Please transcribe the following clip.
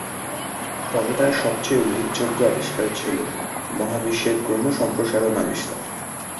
তবে তার সবচেয়ে উল্লেখযোগ্য আবিষ্কার ছিল মহাবিশ্বের ক্রম সম্প্রসারণ আবিষ্কার।